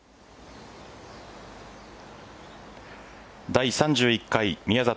第３１回宮里藍